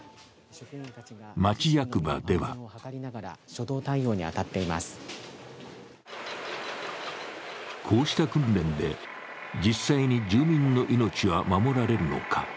町役場ではこうした訓練で、実際に住民の命は守られるのか。